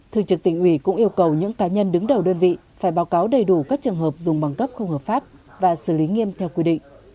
thường trực tỉnh ủy cũng yêu cầu những cá nhân đứng đầu đơn vị phải báo cáo đầy đủ các trường hợp dùng bằng cấp không hợp pháp và xử lý nghiêm theo quy định